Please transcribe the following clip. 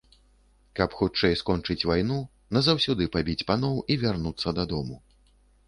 Каб хутчэй скончыць вайну, назаўсёды пабіць паноў і вярнуцца дадому.